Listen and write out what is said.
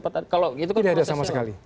tidak ada sama sekali